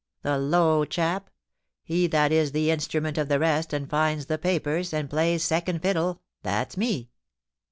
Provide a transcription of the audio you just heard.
The low chap : he that is the instrument of the rest, and finds the papers, and plays second fiddle, thafs me.